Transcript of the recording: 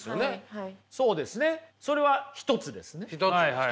はい。